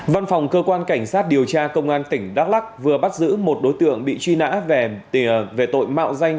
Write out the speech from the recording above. văn phòng cơ quan cảnh sát điều tra công an tỉnh đắk lắc vừa bắt giữ một đối tượng bị truy nã về tội mạo danh